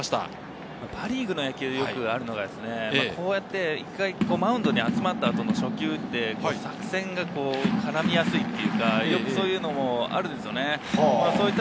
パ・リーグの野球でよくあるのが、一回、マウンドに集まったあとの初球って作戦が絡みやすいというか、そういうのがあるんですよね。